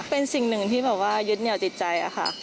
เป็นสิ่งหนึ่งที่ยืดเหนียวใจ